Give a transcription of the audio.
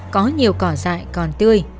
có nhiều cỏ dại còn tươi